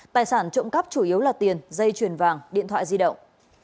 tài sản trộm cắp chủ yếu là tiền dây chuyền vàng điện thoại di động